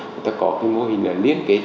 người ta có cái mô hình là liên kết